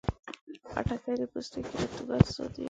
خټکی د پوستکي رطوبت ساتي.